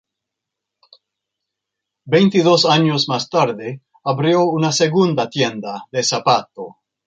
Veintidós años más tarde, abrió una segunda tienda de zapato.